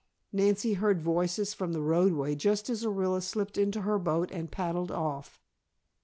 Nancy heard voices from the roadway just as Orilla slipped into her boat and paddled off.